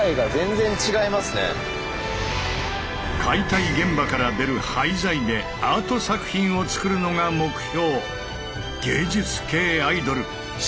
解体現場から出る廃材でアート作品を作るのが目標。